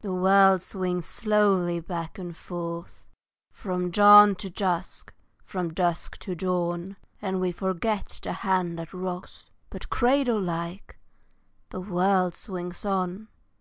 THE world swings slowly back and forth, From dawn to dusk, from dusk to dawn, And we forget the hand that rocks, But, cradle like, the world swings on.